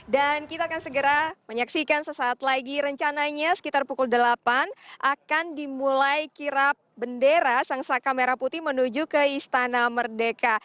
dan kita akan segera menyaksikan sesaat lagi rencananya sekitar pukul delapan akan dimulai kirap bendera sangsaka merah putih menuju ke istana merdeka